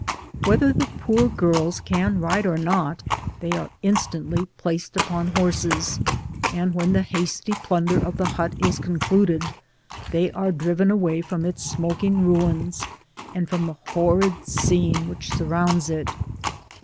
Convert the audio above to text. Whether the po(Hr girls can ride or not, they are instantly placed upon horses, and when the hasty plunder of the hut is con cluded, they are driven away from its smoking ruins, and from the horrid scene which surrounds it.